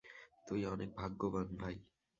তুই অনেক ভাগ্যবান ভাই।